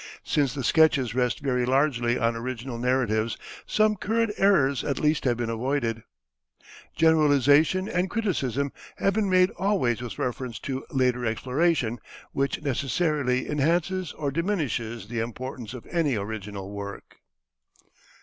Since the sketches rest very largely on original narratives some current errors at least have been avoided. Generalization and criticism have been made always with reference to later exploration, which necessarily enhances or diminishes the importance of any original work.